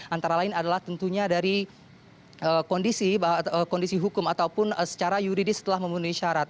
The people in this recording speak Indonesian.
antara lain adalah tentunya dari kondisi hukum ataupun secara yuridis telah memenuhi syarat